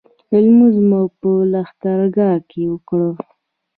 لمونځ مو په لښکرګاه کې وکړ.